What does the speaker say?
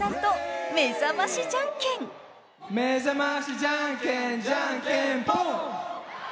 めざましじゃんけんじゃんけんぽん！